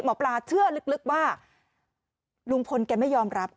หมอปลาเชื่อลึกว่าลุงพลแกไม่ยอมรับ